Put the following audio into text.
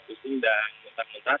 pusing dan mentah mentah